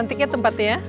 cantiknya tempatnya ya